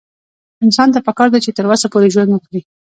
انسان ته پکار ده چې تر وسه پورې ژوند وکړي